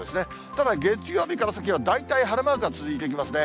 ただ、月曜日から先は大体晴れマークが続いていきますね。